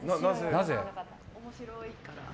面白いから。